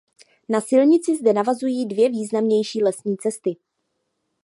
Na silnici zde navazují dvě významnější lesní cesty.